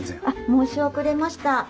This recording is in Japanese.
申し遅れました。